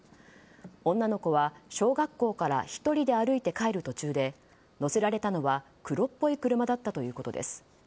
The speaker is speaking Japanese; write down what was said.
女の子は、小学校から１人で歩いて帰る途中で乗せられたのは黒っぽい車だったということです。